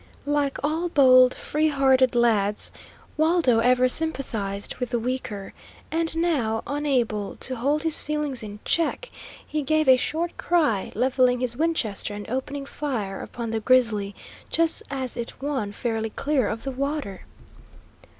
Like all bold, free hearted lads, Waldo ever sympathised with the weaker, and now, unable to hold his feelings in check, he gave a short cry, levelling his Winchester and opening fire upon the grizzly, just as it won fairly clear of the water.